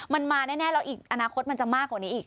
มันมาแน่แล้วอีกอนาคตมันจะมากกว่านี้อีก